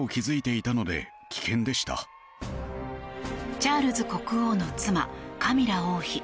チャールズ国王の妻カミラ王妃。